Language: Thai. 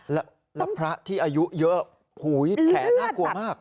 แล้วพระที่อายุเยอะแผลน่ากลัวมาก